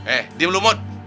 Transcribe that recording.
eh diam lo mut